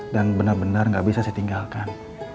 dan benar benar nggak bisa saya tinggalkan